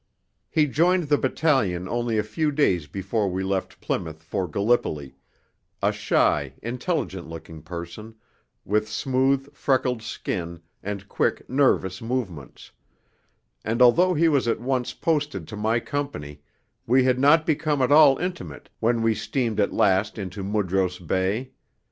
He joined the battalion only a few days before we left Plymouth for Gallipoli, a shy, intelligent looking person, with smooth, freckled skin and quick, nervous movements; and although he was at once posted to my company we had not become at all intimate when we steamed at last into Mudros Bay.